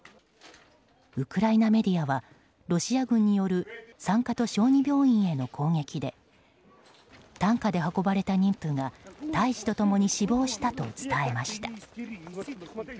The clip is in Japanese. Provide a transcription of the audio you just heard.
ウクライナメディアはロシア軍による産科と小児病院への攻撃で担架で運ばれた妊婦が胎児と共に死亡したと伝えました。